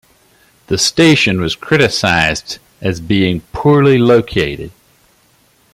The station was criticised as being poorly located.